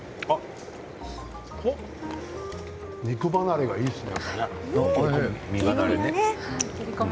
肉離れがいいですね。